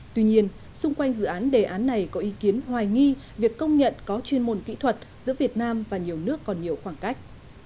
tuy nhiên xung quanh dự án đề án này có ý kiến hoài nghi việc công nhận có chuyên môn kỹ thuật giữa việt nam và nhiều nước còn nhiều khoảng cách